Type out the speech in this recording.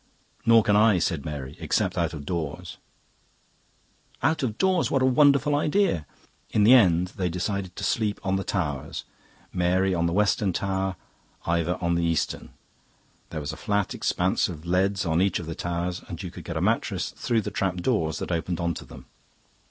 "Nor can I," said Mary, "except out of doors." "Out of doors! What a wonderful idea!" In the end they decided to sleep on the towers Mary on the western tower, Ivor on the eastern. There was a flat expanse of leads on each of the towers, and you could get a mattress through the trap doors that opened on to them.